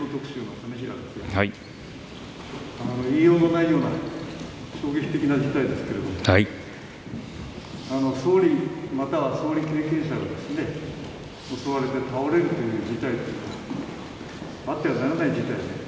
言いようのないような衝撃的な事態ですが総理、または総理経験者が襲われて倒れるという事態あってはならない事態